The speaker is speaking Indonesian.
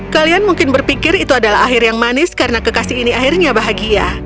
kalian mungkin berpikir itu adalah akhir yang manis karena kekasih ini akhirnya bahagia